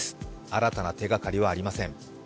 新たな手がかりはありません。